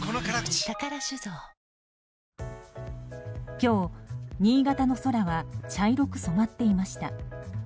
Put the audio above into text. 今日、新潟の空は茶色く染まっていました。